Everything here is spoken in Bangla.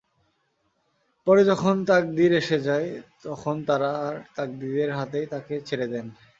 পরে যখন তাকদীর এসে যায় তখন তারা তার তাকদীরের হাতেই তাকে ছেড়ে দেন।